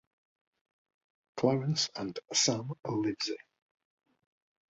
Clarence and Sam Livesey.